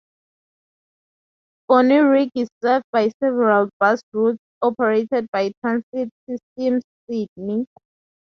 Bonnyrigg is served by several bus routes operated by Transit Systems Sydney.